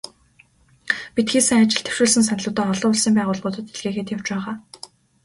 Бид хийсэн ажил, дэвшүүлсэн саналуудаа олон улсын байгууллагуудад илгээгээд явж байгаа.